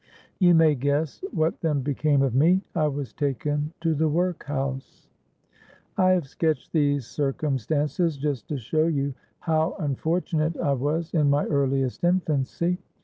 You may guess what then became of me: I was taken to the workhouse! "I have sketched these circumstances just to show you how unfortunate I was in my earliest infancy.